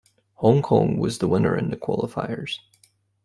Hong Kong was the winner in the qualifiers.